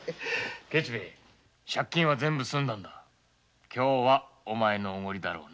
借金は全部すんだんだ今日はお前のおごりだろう。